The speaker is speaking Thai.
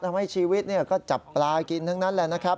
ทำให้ชีวิตก็จับปลากินทั้งนั้นแหละนะครับ